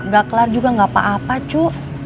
gak kelar juga gak apa apa cu